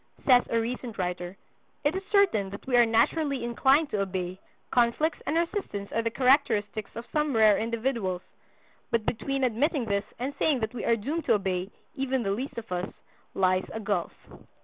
Says a recent writer: "It is certain that we are naturally inclined to obey, conflicts and resistance are the characteristics of some rare individuals; but between admitting this and saying that we are doomed to obey—even the least of us—lies a gulf."